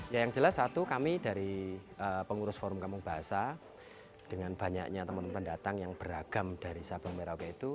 ya yang jelas satu kami dari pengurus forum kampung bahasa dengan banyaknya teman teman pendatang yang beragam dari sabang merauke itu